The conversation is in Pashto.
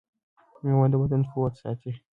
مېوه د بدن قوت ساتي.